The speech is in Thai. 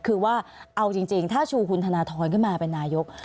คือว่าเอาจริงถ้าชูคุณธนทรขึ้นมาเป็นนายก